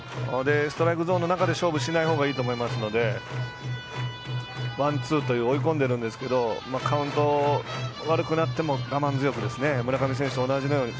ストライクゾーンの中で勝負しないほうがいいと思いますのでワンツーと追い込んでるんですけどカウント悪くなっても我慢強く村上選手と同じように。